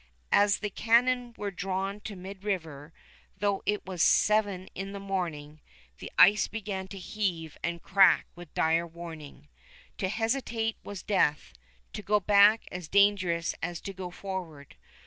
As the cannon were drawn to mid river, though it was seven in the morning, the ice began to heave and crack with dire warning. To hesitate was death; to go back as dangerous as to go forward.